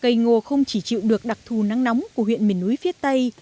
cây ngô không chỉ chịu được đặc thù nắng nóng của huyện miền núi phía tây